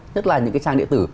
nhất là những cái trang địa tử